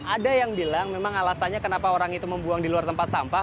ada yang bilang memang alasannya kenapa orang itu membuang di luar tempat sampah